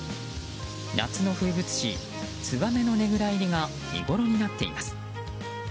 夏の風物詩ツバメのねぐら入りが見ごろになっています。